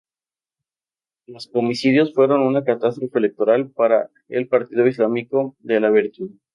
Los comicios fueron una catástrofe electoral para el Partido Islámico de la Virtud.